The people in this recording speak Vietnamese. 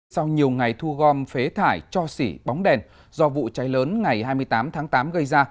sau nhiều ngày thu gom phế thải cho xỉ bóng đèn do vụ cháy lớn ngày hai mươi tám tháng tám gây ra